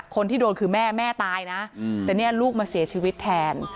คนที่โดนคือแม่แม่ตายนะแต่เนี่ยลูกมาเสียชีวิตแทน